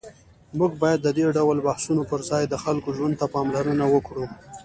موږ باید د دې ډول بحثونو پر ځای د خلکو ژوند ته پاملرنه وکړو.